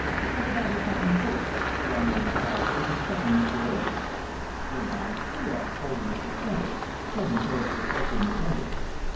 "What about his hat and coat?" Ferrani inquired, with a sudden inspiration. "Great idea," Holderness assented, turning towards the cloakroom attendant.